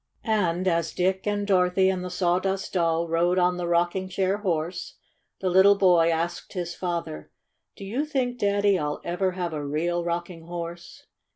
And as Dick and Dorothy and the Saw dust Doll rode on the rocking chair horse, the little boy asked his father : "Do you think, Daddy, 111 ever have a real rocking horse?"